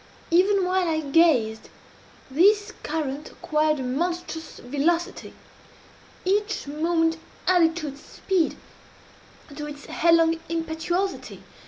Even while I gazed, this current acquired a monstrous velocity. Each moment added to its speed to its headlong impetuosity.